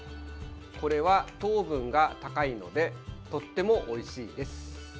これは糖分が高いのでとてもおいしいです。